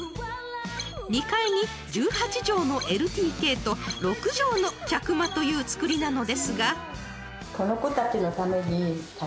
［２階に１８畳のＬＤＫと６畳の客間という造りなのですが］